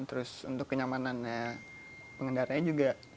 terus untuk kenyamanannya pengendaranya juga